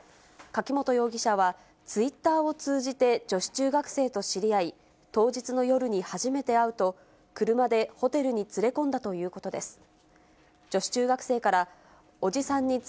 垣本容疑者は、ツイッターを通じて、女子中学生と知り合い、当日の夜に初めて会うと、車でホテルに連れ込んだということです。